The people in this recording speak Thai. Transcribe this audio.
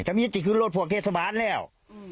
ทำงี้จะขึ้นรถพวกเกศบาลแล้ว